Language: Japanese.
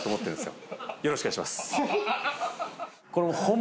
よろしくお願いします